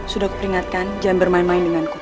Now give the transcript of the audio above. sudah kuperingatkan jangan bermain main denganku